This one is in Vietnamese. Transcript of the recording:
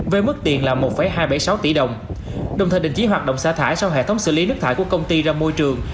với mức tiền là một hai trăm bảy mươi sáu tỷ đồng đồng thời đình chỉ hoạt động xa thải sau hệ thống xử lý nước thải của công ty ra môi trường